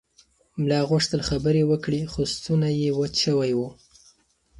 ملا غوښتل خبرې وکړي خو ستونی یې وچ شوی و.